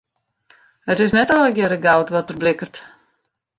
It is net allegearre goud wat der blikkert.